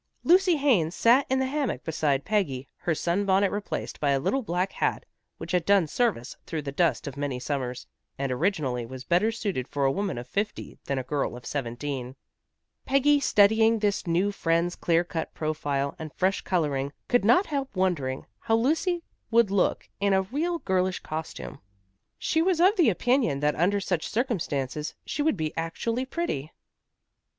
Lucy Haines sat in the hammock beside Peggy, her sunbonnet replaced by a little black hat, which had done service through the dust of many summers, and originally was better suited for a woman of fifty than a girl of seventeen. Peggy studying this new friend's clear cut profile and fresh coloring, could not help wondering how Lucy would look in a really girlish costume. She was of the opinion that under such circumstances she would be actually pretty.